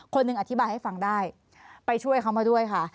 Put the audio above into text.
หนึ่งอธิบายให้ฟังได้ไปช่วยเขามาด้วยค่ะ